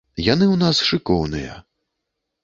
Яны ў нас шыкоўныя.